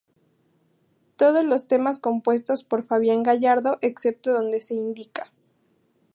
Todos los temas compuestos por Fabián Gallardo excepto donde se indica.